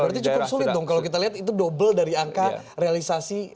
berarti cukup sulit dong kalau kita lihat itu double dari angka realisasi